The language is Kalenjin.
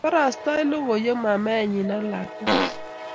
barastai logoywek mamaenyi ak lakwet